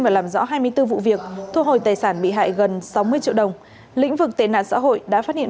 và làm rõ hai mươi bốn vụ việc thu hồi tài sản bị hại gần sáu mươi triệu đồng lĩnh vực tệ nạn xã hội đã phát hiện